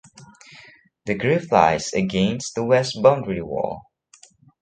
The grave lies against the west boundary wall.